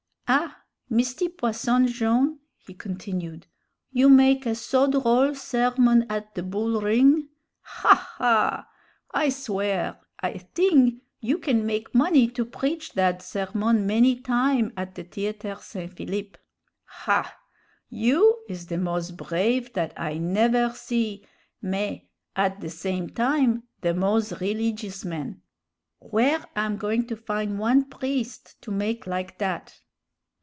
"Ah! Misty Posson Jone'," he continued, "you make a so droll sermon ad the bull ring. Ha! ha! I swear I thing you can make money to preach thad sermon many time ad the theatre St. Philippe. Hah! you is the moz brave dat I never see, mais ad the same time the moz rilligious man. Where I'm goin' to fin' one priest to make like dat?